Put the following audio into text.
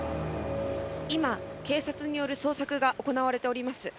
「今警察による捜索が行われております」